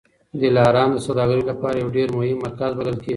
دلارام د سوداګرۍ لپاره یو ډېر مهم مرکز بلل کېږي.